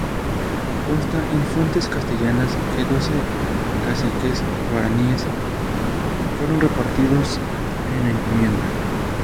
Consta en fuentes castellanas que doce caciques guaraníes fueron repartidos en encomienda.